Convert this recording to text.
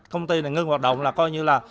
công ty này ngưng hoạt động là coi như là